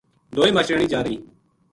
دوئے ماشٹریانی جا رہی